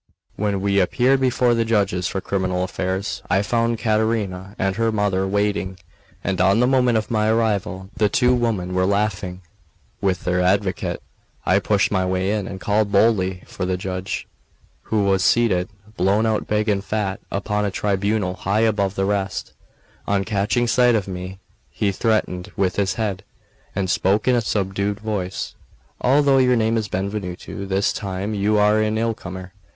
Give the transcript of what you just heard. When we appeared before the judges for criminal affairs, I found Caterina and her mother waiting; and on the moment of my arrival, the two women were laughing with their advocate. I pushed my way in, and called boldly for the judge, who was seated, blown out big and fat, upon a tribunal high above the rest. On catching sight of me, he threatened with his head, and spoke in a subdued voice: "Although your name is Benvenuto, this time you are an ill comer."